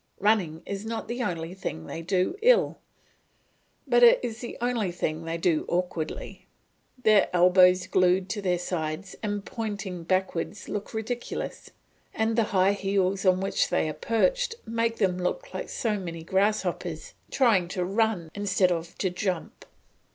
Running is not the only thing they do ill, but it is the only thing they do awkwardly; their elbows glued to their sides and pointed backwards look ridiculous, and the high heels on which they are perched make them look like so many grasshoppers trying to run instead of to jump.